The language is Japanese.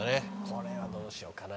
これはどうしようかな。